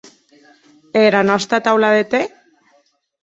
E era nòsta taula de tè?